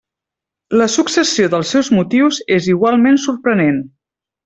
La successió dels seus motius és igualment sorprenent.